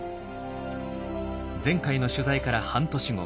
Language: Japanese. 前回の取材から半年後。